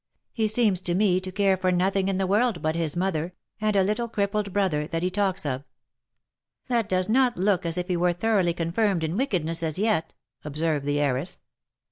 He seems to me to care for nothing in the world but his mother, and a little crippled brother that he talks of." " That does not look as if he were thoroughly confirmed in wicked ness as yet," observed the heiress.